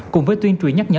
cùng với tuyên truyền nhắc nhớ